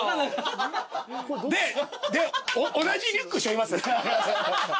同じリュックしょいます？